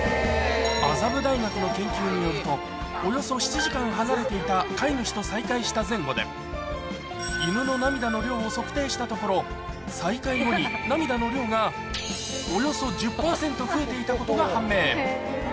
麻布大学の研究によると、およそ７時間離れていた飼い主と再会した前後で、犬の涙の量を測定したところ、再会後に涙の量がおよそ１０％増えていたことが判明。